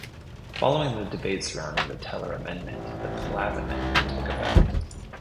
Following the debate surrounding the Teller Amendment, the Platt Amendment took effect.